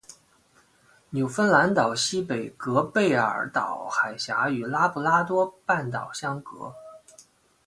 纽芬兰岛西北隔贝尔岛海峡与拉布拉多半岛相隔。